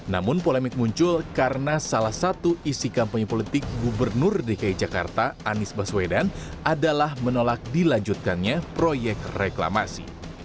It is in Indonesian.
namun polemik muncul karena salah satu isi kampanye politik gubernur dki jakarta anies baswedan adalah menolak dilanjutkannya proyek reklamasi